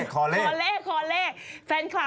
คอคอเล่ะ